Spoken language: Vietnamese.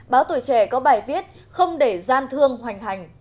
báo tuổi trẻ có bài viết không để gian thương hoành hành